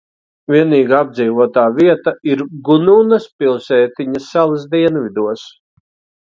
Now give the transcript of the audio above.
Vienīgā apdzīvotā vieta ir Gununas pilsētiņa salas dienvidos.